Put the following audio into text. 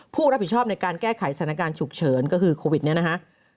ผู้รับผิดชอบในการแก้ไขสถานการณ์ฉุกเฉินก็คือโควิดเนี่ยนะฮะ